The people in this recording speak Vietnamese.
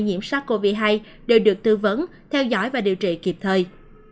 nhiễm sắc covid một mươi chín đều được tư vấn theo dõi và điều trị kịp thời